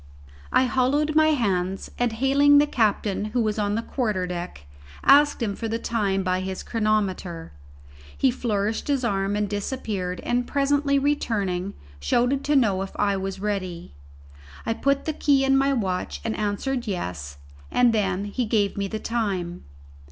I hollowed my hands, and, hailing the captain, who was on the quarter deck, asked him for the time by his chronometer. He flourished his arm and disappeared and, presently returning, shouted to know if I was ready. I put the key in my watch and answered yes, and then he gave me the time.